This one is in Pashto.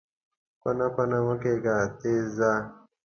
کونه کونه مه کېږه، تېز ځه!